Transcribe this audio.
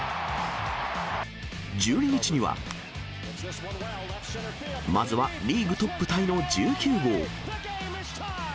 １２日には、まずはリーグトップタイの１９号。